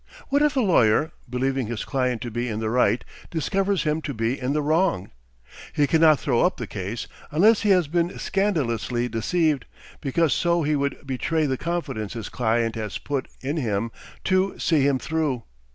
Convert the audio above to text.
What if a lawyer, believing his client to be in the right, discovers him to be in the wrong? He cannot throw up the case unless he has been scandalously deceived, because so he would betray the confidence his client has put in him to "see him through."